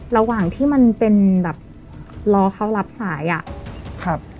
ระหว่างที่มันเป็นแบบรอเขารับสายอ่ะครับ